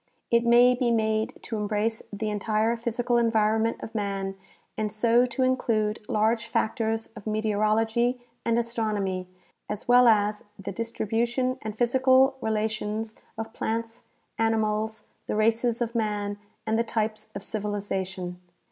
It may be made to embrace the entire physical environment of man and so to include large factors of meteorology and astronomy as well as the distribution and physical relations of plants, animals, the races of man, and the types of civilization.